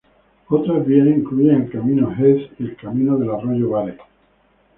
Otras vías incluyen el camino Heath y el camino del arroyo Bare.